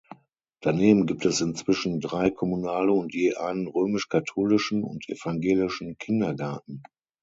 Daneben gibt es inzwischen drei kommunale und je einen römisch-katholischen und evangelischen Kindergarten.